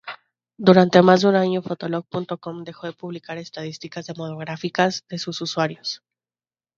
Durante más de un año Fotolog.com dejó de publicar estadísticas demográficas de sus usuarios.